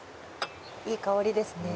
いい香りですね。